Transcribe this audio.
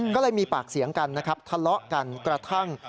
ก็เลยมีปากเสียงกันนะครับทะเลาะกันกระทั่ง